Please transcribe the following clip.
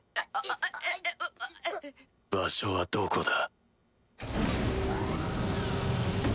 場所はどこだ？